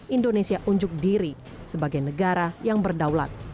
indonesia unjuk diri sebagai negara yang berdaulat